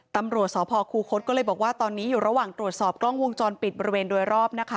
ตำรวจศพครูโค๊ดบอกว่าตอนนี้อยู่ระหว่างตรวจสอบกล้อมวงจรปิดบริเวณสารโดยรอบ